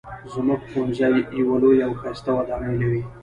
زموږ ښوونځی یوه لویه او ښایسته ودانۍ لري